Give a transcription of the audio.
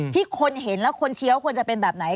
ที่คนเห็นแล้วคนเชียวควรจะเป็นแบบไหน